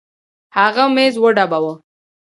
هغه ميز وډباوه.